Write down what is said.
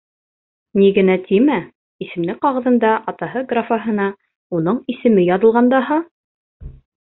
Ни генә тимә, исемлек ҡағыҙында «атаһы» графаһына уның исеме яҙылған даһа.